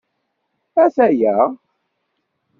Ata-ya.